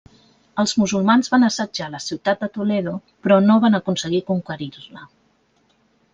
Els musulmans van assetjar la ciutat de Toledo, però no van aconseguir conquerir-la.